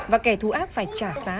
và kẻ thù ác phải trả giá